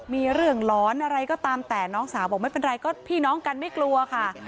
มีเรื่องร้อนอะไรก็ตามแต่น้องสาวบอกไม่เป็นไรก็พี่น้องกันไม่กลัวค่ะ